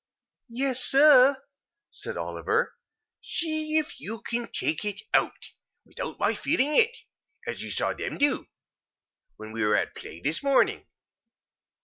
"Yes, sir," said Oliver. "See if you can take it out, without my feeling it; as you saw them do, when we were at play this morning."